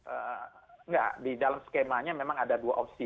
enggak di dalam skemanya memang ada dua opsi